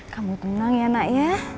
kamu tenang ya nak ya